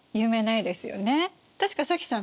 確か早紀さん